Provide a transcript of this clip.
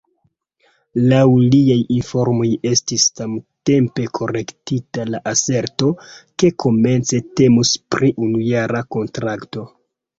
Laŭ liaj informoj estis samtempe korektita la aserto, ke komence temus pri unujara kontrakto.